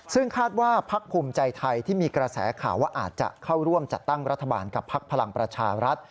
ซึ่งคาดว่าพักภูมิใจไทยที่มีกระแสข่าวว่าอาจจะเข้าร่วมจัดตั้งรัฐบาลกับพักพลังประชารัฐ